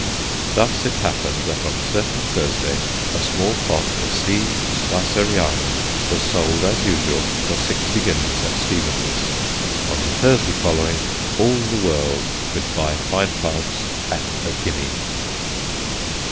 Thus it happened that on a certain Thursday a small pot of C. Spicerianum was sold, as usual, for sixty guineas at Stevens's; on the Thursday following all the world could buy fine plants at a guinea.